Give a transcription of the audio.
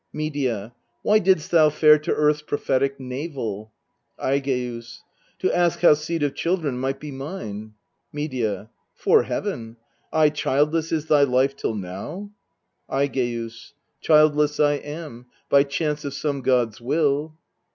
Medea. Why didst thou fare to earth's prophetic navel? Aigeus. To ask how seed of children might be mine. Medea. 'Fore Heaven ! aye childless is thy life till now ? Aigeus. Childless I am, by chance of some god's will.